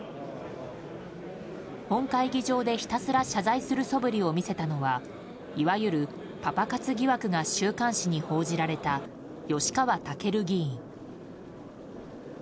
本会議場でひたすら謝罪するそぶりを見せたのはいわゆるパパ活疑惑が週刊誌に報じられた吉川赳議員。